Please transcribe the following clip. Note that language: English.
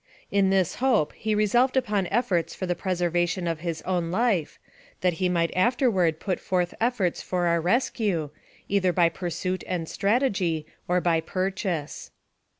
In this hope he resolved upon efforts for the preservation of his own life, that he might after AMONG THE SIOUX INDIANS. 29 ward put forth efforts for our rescue, either by pur suit and strategy, or by purchase.